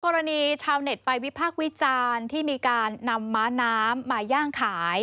กรณีชาวเน็ตไปวิพากษ์วิจารณ์ที่มีการนำม้าน้ำมาย่างขาย